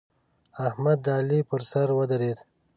احمد د علي پر سر ودرېد.